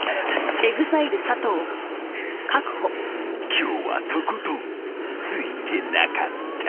［今日はとことんついてなかった］